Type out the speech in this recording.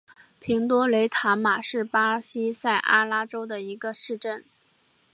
平多雷塔马是巴西塞阿拉州的一个市镇。